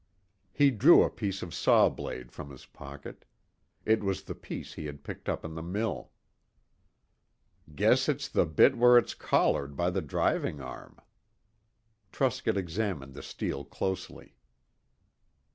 He drew a piece of saw blade from his pocket. It was the piece he had picked up in the mill. "Guess it's the bit where it's 'collared' by the driving arm." Truscott examined the steel closely.